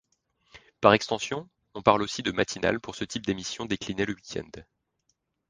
Par extension, on parle aussi de matinale pour ce type d'émission décliné le week-end.